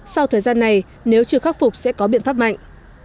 sau thời gian này nếu chưa khắc phục sẽ có biện pháp mạnh